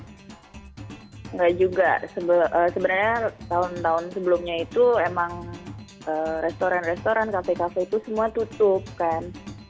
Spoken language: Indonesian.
enggak juga sebenarnya tahun tahun sebelumnya itu emang restoran restoran kafe kafe itu semua tutup kan